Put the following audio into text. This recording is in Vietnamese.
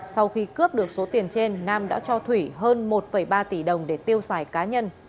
sau khi cướp được số tiền trên nam đã cho thủy hơn một ba tỷ đồng để tiêu xài cá nhân